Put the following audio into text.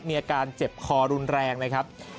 มีอาการเจ็บคอรุนแรงนะครับ